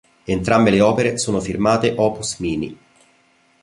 Entrambe le opere sono firmate Opus Mini.